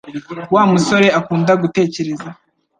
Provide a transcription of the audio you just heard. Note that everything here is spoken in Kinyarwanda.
Wa musore akunda gutekereza